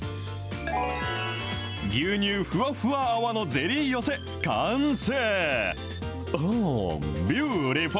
牛乳ふわふわ泡のゼリー寄せ完成。